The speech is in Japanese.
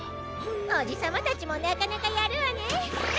おじさまたちもなかなかやるわね。